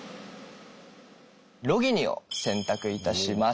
ロギニを選択いたします。